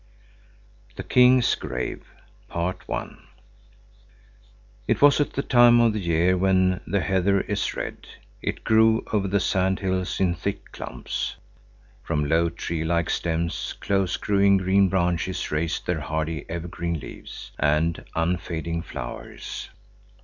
THE KING'S GRAVE It was at the time of year when the heather is red. It grew over the sand hills in thick clumps. From low tree like stems close growing green branches raised their hardy ever green leaves and unfading flowers.